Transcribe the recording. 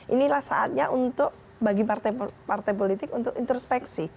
inilah saatnya untuk bagi partai partai politik untuk introspeksi